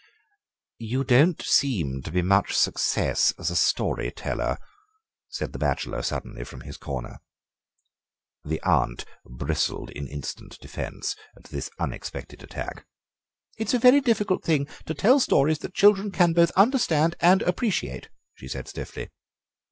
"You don't seem to be a success as a story teller," said the bachelor suddenly from his corner. The aunt bristled in instant defence at this unexpected attack. "It's a very difficult thing to tell stories that children can both understand and appreciate," she said stiffly.